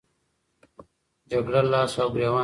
جګړه لاس او ګریوان کېده.